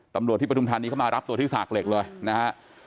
ตำรวจที่ปฐุมธานีเข้ามารับตัวที่สากเหล็กเลยนะฮะ